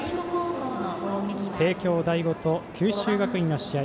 帝京第五と九州学院の試合。